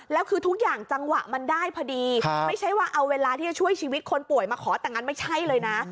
แล้วคือทุกอย่างจังหวะมันได้พอดีไม่ใช่ว่าเอาเวลาที่จะช่วยชีวิตคนป่วยมาขอแต่งงานไม่ใช่เลยนะ